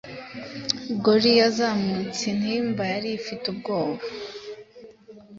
Gory yazamutse intimba yari ifite ubwoba